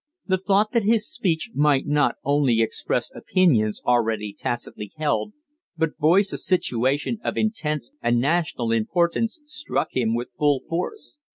The thought that his speech might not only express opinions already tacitly held, but voice a situation of intense and national importance, struck him with full force.